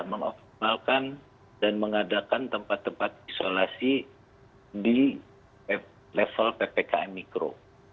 mengoptimalkan dan mengadakan tempat tempat isolasi di level ppkm mikro